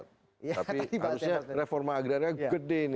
tapi harusnya reforma agraria gede ini